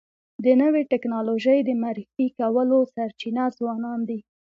د نوې ټکنالوژی د معرفي کولو سرچینه ځوانان دي.